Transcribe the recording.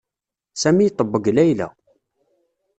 Sami iṭebbeg Layla.